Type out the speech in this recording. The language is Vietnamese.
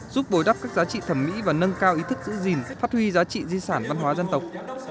giúp bồi đắp các giá trị thẩm mỹ và nâng cao ý thức giữ gìn phát huy giá trị di sản văn hóa dân tộc